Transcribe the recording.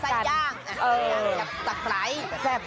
แยกกัน